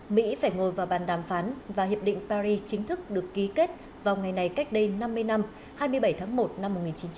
mỹ phải ngồi vào bàn đàm phán và hiệp định paris chính thức được ký kết vào ngày này cách đây năm mươi năm hai mươi bảy tháng một năm một nghìn chín trăm bảy mươi